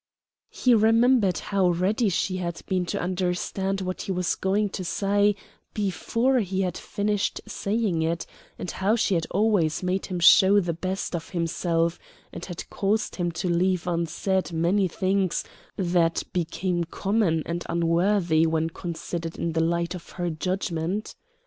He remembered how ready she had been to understand what he was going to say before he had finished saying it, and how she had always made him show the best of himself, and had caused him to leave unsaid many things that became common and unworthy when considered in the light of her judgment.